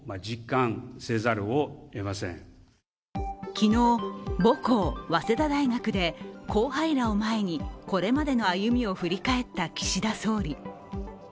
昨日、母校早稲田大学で後輩らを前にこれまでの歩みを振り返った岸田総理。